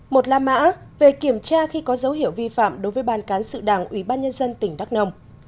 một la mã về kiểm tra khi có dấu hiệu vi phạm đối với ban cán sự đảng ủy ban nhân dân tỉnh đắk nông